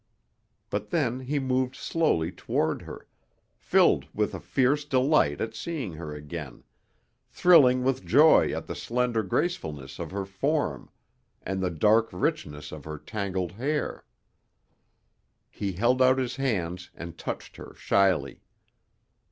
But then he moved slowly toward her, filled with a fierce delight at seeing her again, thrilling with joy at the slender gracefulness of her form and the dark richness of her tangled hair. He held out his hands and touched her shyly.